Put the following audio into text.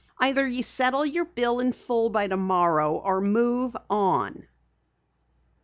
"Either settle your bill in full by tomorrow morning, or move on!"